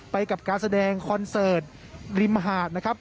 ไปกับการแสดงคอนเสิร์ตริมหาดนะครับ